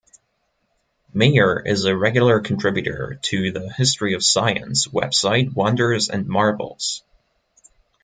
Mayor is a regular contributor to the history of science website Wonders and Marvels.